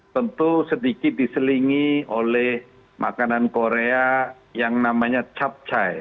tentu sedikit diselingi oleh makanan korea yang namanya cap chai